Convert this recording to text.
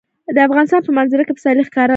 د افغانستان په منظره کې پسرلی ښکاره ده.